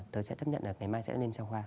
tớ sẽ chấp nhận là ngày mai sẽ lên trang hoa